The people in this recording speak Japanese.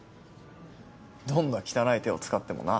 どんな汚い手を使ってもな。